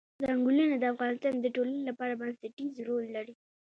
ځنګلونه د افغانستان د ټولنې لپاره بنسټيز رول لري.